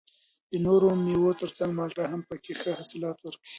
د نورو مېوو تر څنګ مالټه هم پکې ښه حاصلات ورکوي